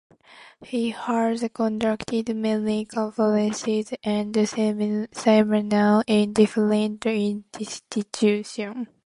He has conducted many conferences and seminars in different institution.